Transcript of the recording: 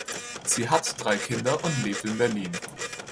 Sie hat drei Kinder und lebt in Berlin.